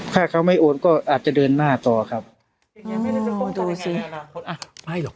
ถ้าเขาไม่โอนก็อาจจะเดินหน้าต่อครับอ๋อดูสิอ่าไม่หรอก